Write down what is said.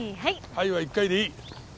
「はい」は１回でいい。